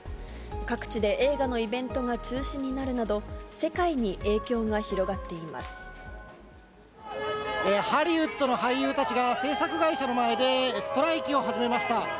各地で映画のイベントが中止になるなど、世界に影響が広がっていハリウッドの俳優たちが、製作会社の前で、ストライキを始めました。